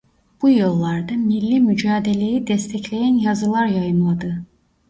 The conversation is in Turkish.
Bu yıllarda Millî Mücadele'yi destekleyen yazılar yayımladı.